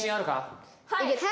はい！